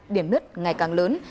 điểm nứt ngày càng lớn